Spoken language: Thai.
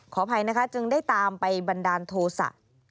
ขออภัยนะคะจึงได้ตามไปบันดาลโทษะ